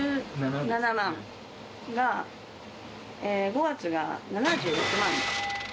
５月が７６万。